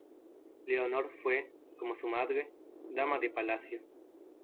Leonor fue, como su madre, dama de palacio.